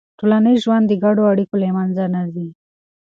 ټولنیز ژوند د ګډو اړیکو له منځه نه ځي.